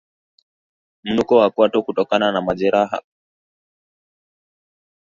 Mnuko wa kwato kutokana na majeraha